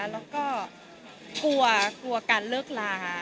แล้วก็กลัวการเลิกลา